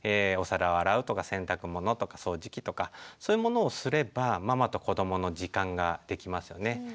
お皿を洗うとか洗濯物とか掃除機とかそういうものをすればママと子どもの時間ができますよね。